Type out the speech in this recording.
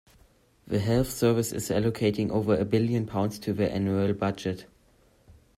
The health service is allocating over a billion pounds to the annual budget.